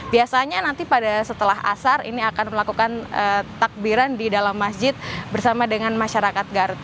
biasanya nanti pada setelah asar ini akan melakukan takbiran di dalam masjid bersama dengan masyarakat garut